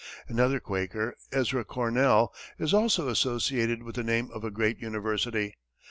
Another Quaker, Ezra Cornell, is also associated with the name of a great university.